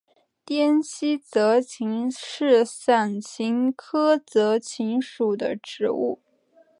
滇西泽芹是伞形科泽芹属的植物。